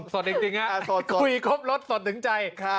สดจริงฮะคุยครบรสสดถึงใจ